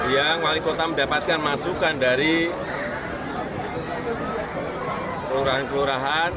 yang wali kota mendapatkan masukan dari kelurahan kelurahan